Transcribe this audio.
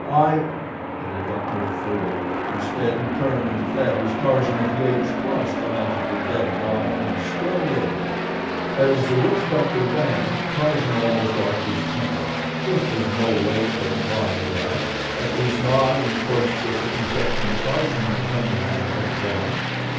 I " But he got no further; instead he turned and fled as Tarzan of the Apes crossed the magical dead line and still lived. As the witch doctor ran, Tarzan almost lost his temper. This was no way for God to act, at least not in accordance with the conception Tarzan had come to have of God.